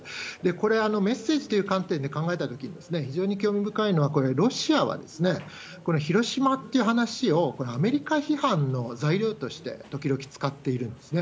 これ、メッセージという観点で考えたときに、非常に興味深いのは、これ、ロシアは、この広島っていう話を、アメリカ批判の材料として、時々使っているんですね。